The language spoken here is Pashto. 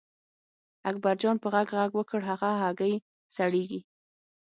اکبرجان په غږ غږ وکړ هغه هګۍ سړېږي.